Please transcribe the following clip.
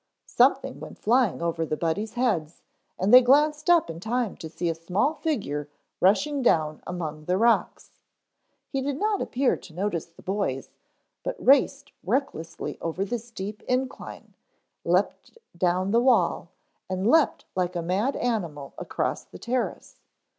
Something went flying over the Buddies' heads and they glanced up in time to see a small figure rushing down among the rocks. He did not appear to notice the boys, but raced recklessly over the steep incline, leaped down the wall, and leaped like a mad animal across the terrace.